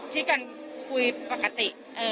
ที่กันคุยปกติ